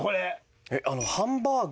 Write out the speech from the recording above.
あの「ハンバーグ」